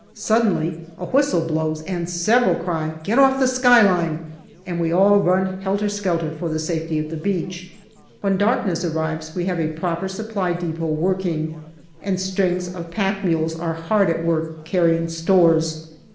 Suddenly a whistle blows, and several cry " Get off the skyline !" and we all run helter skelter for the safety of the beach. When darkness arrives we have a proper Supply depot working, and strings of pack mules are hard at work carrying stores.